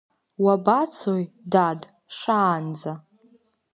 Уабацои, дад, шаанӡа?